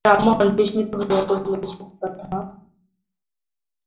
রামমোহন বিস্মিত হইয়া কহিল, সে কী কথা মা।